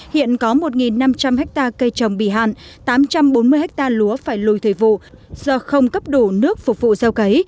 hiện có một năm trăm linh hectare cây trồng bị hạn tám trăm bốn mươi ha lúa phải lùi thời vụ do không cấp đủ nước phục vụ gieo cấy